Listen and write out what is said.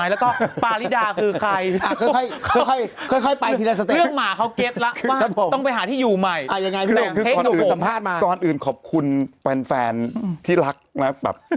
ยังไงพี่หลวงสัมภาษณ์มาก่อนอื่นขอบคุณแฟนที่รักนะครับแบบ